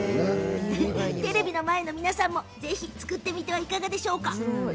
テレビの前の皆さんもぜひ作ってみては、いかがでしょうか。